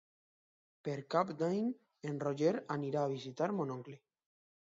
Per Cap d'Any en Roger anirà a visitar mon oncle.